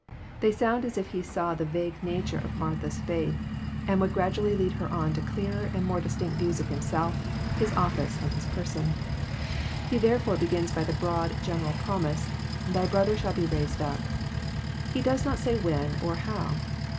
They sound as if He saw the vague nature of Martha's fUth, and would gradually lead her on to clearer and more dis tinct views of Himself, His office, and Person. He therefore begins by the broad, general promise, *' Thy brother shall be raised up." He does not say when or how.